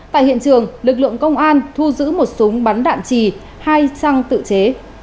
tại hiện trường lực lượng công an thu giữ một súng bắn đạn trì hai xăng tự chế